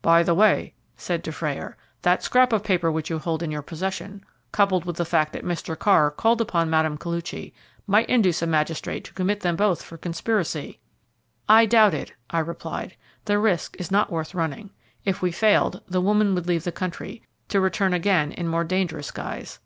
"By the way," said Dufrayer, "that scrap of paper which you hold in your possession, coupled with the fact that Mr. Carr called upon Mme. Koluchy, might induce a magistrate to commit them both for conspiracy." "I doubt it," I replied; "the risk is not worth running. If we failed, the woman would leave the country, to return again in more dangerous guise.